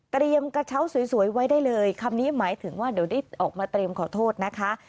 กระเช้าสวยไว้ได้เลยคำนี้หมายถึงว่าเดี๋ยวได้ออกมาเตรียมขอโทษนะคะ